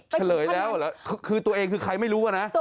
เฉลยแล้วเหรอคือตัวเองคือใครไม่รู้อะนะ